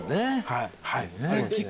はい。